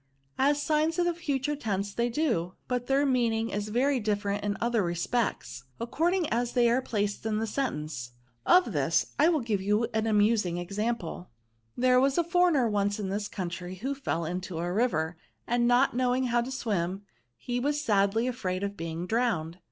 " As signs of the future tense they do ; but their meaning is very different in other respects, according as they are placed in the u 2 sentence. Of thisy I will ^fe j6a ah amtuM ing example :—, There was a foreigner once in this couii* try, who fell into a river, and not knowing how to swiin, he was sadly afraid of being drowned.